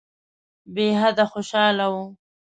بېحده خوشاله وو.